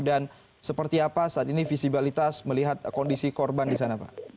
dan seperti apa saat ini visibilitas melihat kondisi korban di sana pak